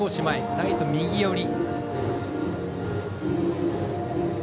ライト右寄り。